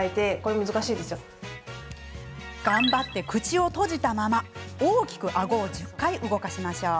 頑張って口を閉じたまま大きくあごを１０回、動かしましょう。